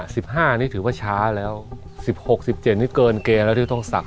สิบห้านี่ถือว่าช้าแล้วสิบหกสิบเจ็ดนี่เกินเกณฑ์แล้วที่ต้องศักดิ